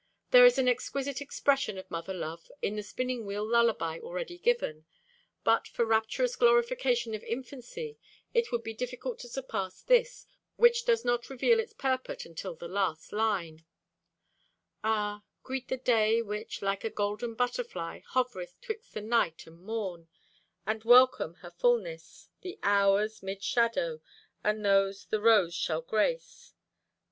There is an exquisite expression of mother love in the spinning wheel lullaby already given, but for rapturous glorification of infancy, it would be difficult to surpass this, which does not reveal its purport until the last line: Ah, greet the day, which, like a golden butterfly, Hovereth 'twixt the night and morn; And welcome her fullness—the hours 'Mid shadow and those the rose shall grace.